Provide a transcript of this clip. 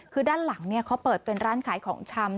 คือด้านหลังเขาเปิดเป็นร้านขายของชำ